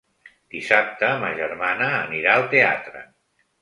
Dissabte ma germana anirà al teatre.